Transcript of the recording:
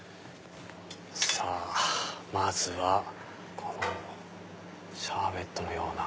さぁまずはこのシャーベットのような。